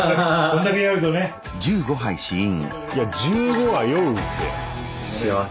いや１５は酔うって。